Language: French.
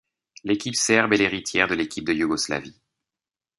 L'équipe serbe est l'héritière de l'équipe de Yougoslavie.